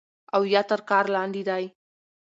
او يا تر كار لاندې دی